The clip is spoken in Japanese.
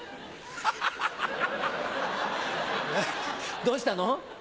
どうしたの？